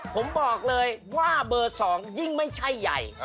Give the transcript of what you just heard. ผมบอกเลยว่าเบอร์๒ยิ่งไม่ใช่ใหญ่